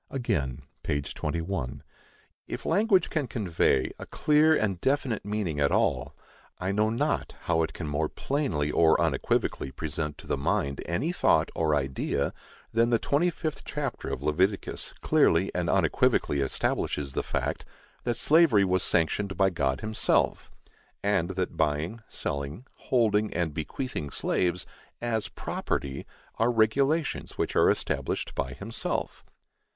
Again (p. 21): If language can convey a clear and definite meaning at all, I know not how it can more plainly or unequivocally present to the mind any thought or idea, than the twenty fifth chapter of Leviticus clearly and unequivocally establishes the fact that slavery was sanctioned by God himself, and that buying, selling, holding and bequeathing slaves, as property, are regulations which are established by himself.